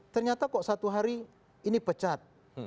ternyata kok satu hari ini pecat